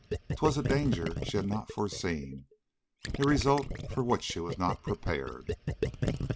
'Twas a danger she had not foreseen, a result for which she was not prepared.